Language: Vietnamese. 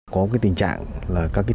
có một tình trạng là các thiết bị